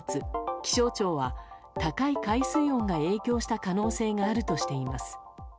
気象庁は高い海水温が影響した可能性があるとしています。